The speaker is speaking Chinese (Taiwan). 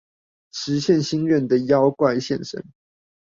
實現心願的妖怪現身